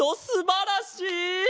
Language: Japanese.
すばらしい！